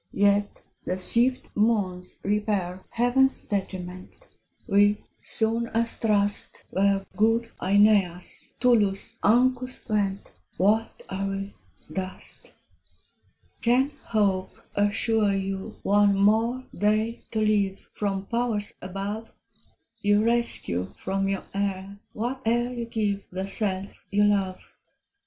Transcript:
Yet the swift moons repair Heaven's detriment: We, soon as thrust Where good Aeneas, Tullus, Ancus went, What are we? dust. Can Hope assure you one more day to live From powers above? You rescue from your heir whate'er you give The self you love.